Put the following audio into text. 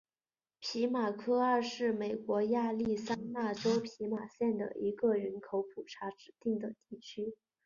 皮马科二是位于美国亚利桑那州皮马县的一个人口普查指定地区。